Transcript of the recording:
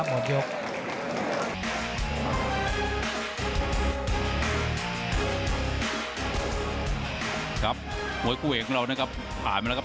หมดยุคครับ